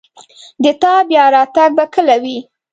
د تا بیا راتګ به کله وي